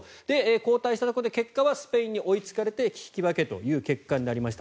交代したところ、結果はスペインに追いつかれて引き分けという結果になりました。